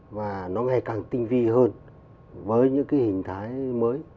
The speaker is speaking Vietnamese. và nó ngày càng tinh vi hơn với những cái hình thái mới